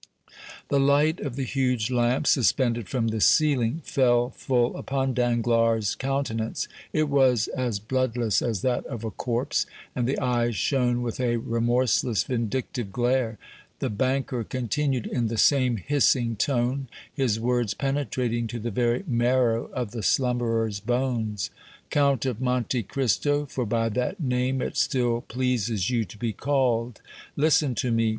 The light of the huge lamp, suspended from the ceiling, fell full upon Danglars' countenance; it was as bloodless as that of a corpse, and the eyes shone with a remorseless, vindictive glare. The banker continued in the same hissing tone, his words penetrating to the very marrow of the slumberer's bones: "Count of Monte Cristo, for by that name it still pleases you to be called, listen to me.